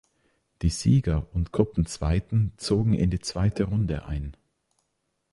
Die Sieger und Gruppenzweiten zogen in die zweite Runde ein.